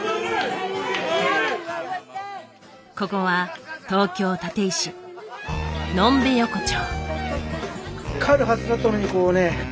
ここは東京・立石呑んべ横丁。